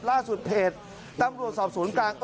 ล่าสุดเพจตำรวจสอบสวนกลาง